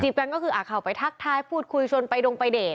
กันก็คือเขาไปทักทายพูดคุยชวนไปดงไปเดท